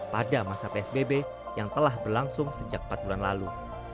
pada masa psbb yang telah berlangsung sejak empat bulan lalu